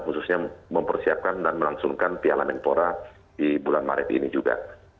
khususnya mempersiapkan dan melangsungkan piala menpora di bulan maret ini juga